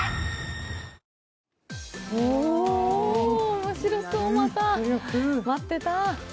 面白そう、また、待ってた。